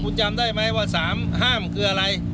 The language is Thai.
คุณจำได้ไหมว่า๓ห้ามคืออะไร